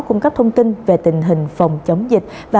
cung cấp thông tin về tình hình phòng